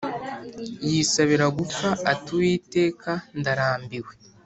yisabira gupfa ati “Uwiteka, ndarambiwe